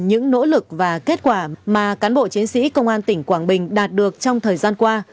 những nỗ lực và kết quả mà cán bộ chiến sĩ công an tỉnh quảng bình đạt được trong thời gian qua